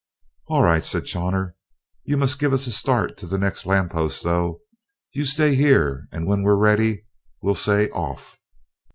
"All right," said Chawner. "You must give us a start to the next lamp post, though. You stay here, and when we're ready we'll say 'off'!"